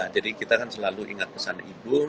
jadi kita kan selalu ingat pesan ibu